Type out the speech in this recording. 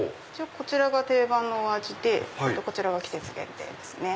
こちらが定番のお味でこちらが季節限定ですね。